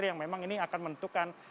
yang memang ini akan menentukan